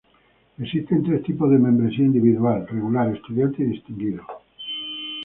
Existen tres tipo de membresía individual: Regular, Estudiante y Distinguido.